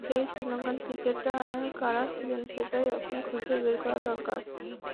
সেই শ্রীলঙ্কান ক্রিকেটার কারা ছিলেন, সেটাই এখন খুঁজে বের করা দরকার।